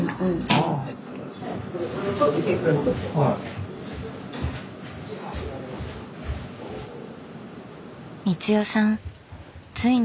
はい。